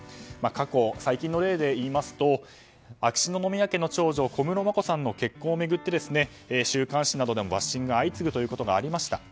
過去、最近の例でいいますと秋篠宮家の長女・小室眞子さんの結婚を巡って週刊誌などでもバッシングが相次ぐことがありました。